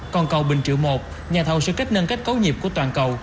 còn cầu bình triệu một nhà thầu sẽ kết nâng kết cấu nhịp của toàn cầu